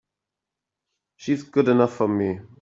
She's good enough for me!